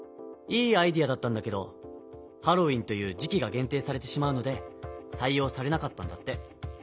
いいアイデアだったんだけどハロウィーンという時期がげん定されてしまうのでさい用されなかったんだって。